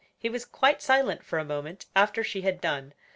He was quite silent for a moment after she had done.